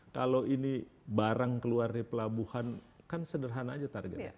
kalau ini barang keluar dari pelabuhan kan sederhana aja targetnya